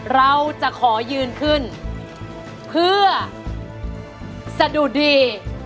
เราจะขอยืนขึ้นเพื่อสะดุดี